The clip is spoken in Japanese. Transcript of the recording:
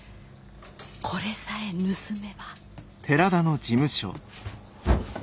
これさえ盗めば。